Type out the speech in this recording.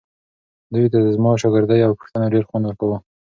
دوی ته زما شاګردۍ او پوښتنو ډېر خوند ورکاوو.